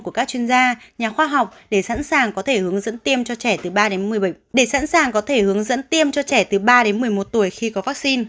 các chuyên gia nhà khoa học để sẵn sàng có thể hướng dẫn tiêm cho trẻ từ ba một mươi một tuổi khi có vắc xin